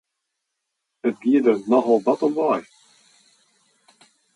It gie der nochal wat om wei!